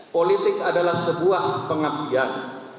politik adalah sebuah pengabdian